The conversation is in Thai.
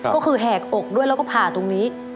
ก็คือแหกอกด้วยแล้วก็ผ่าตรงนี้